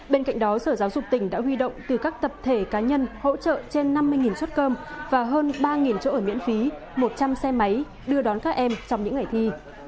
bên cạnh đó sở giáo dục tỉnh đã huy động từ các tập thể cá nhân hỗ trợ trên năm mươi suất cơm và hơn ba chỗ ở miễn phí một trăm linh xe máy đưa đón các em trong những ngày thi